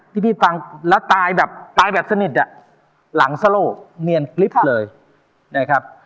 ที่พี่ฟังแล้วตายแบบตายแบบสนิทอ่ะหลังเนียนเลยนะครับ